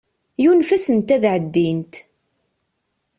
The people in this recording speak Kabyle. Yunef-asent ad ɛeddint.